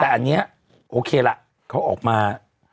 แต่อันนี้โอเคละเขาออกมา